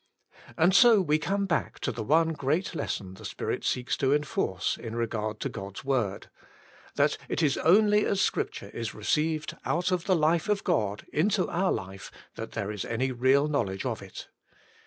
And so we come back to the one great lesson the Spirit seeks to enforce in regard to God's Word — that It Is Only as Scripture is Eeceived OUT OF THE Life of God into Our Life That There Is Any Eeal Kjnowledge of It.